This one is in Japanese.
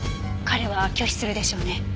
彼は拒否するでしょうね。